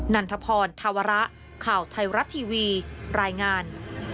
นันทพรธาวระข่าวไทยรัฐทีวีรายงาน